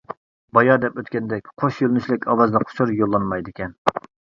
بايا دەپ ئۆتكەندەك قوش يۆنىلىشلىك ئاۋازلىق ئۇچۇر يوللانمايدىكەن.